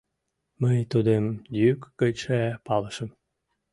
Мый тудым йӱк гычше палышым.